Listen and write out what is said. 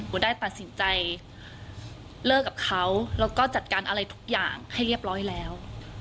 ได้ตัดสินใจเลิกกับเขาแล้วก็จัดการอะไรทุกอย่างให้เรียบร้อยแล้ว